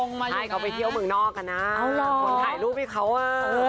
ใช่เขาไปเที่ยวเมืองนอกกันนะคนถ่ายรูปให้เขาอ่ะ